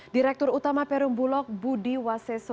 direktur utama perum bulog budi waseso